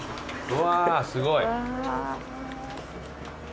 うわすごい。